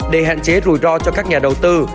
để hạn chế rủi ro cho các nhà đầu tư